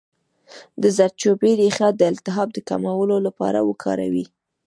د زردچوبې ریښه د التهاب د کمولو لپاره وکاروئ